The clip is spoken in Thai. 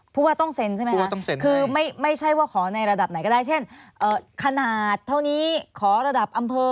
ผู้ว่าต้องเซ็นใช่ไหมคะคือไม่ใช่ว่าขอในระดับไหนก็ได้เช่นขนาดเท่านี้ขอระดับอำเภอ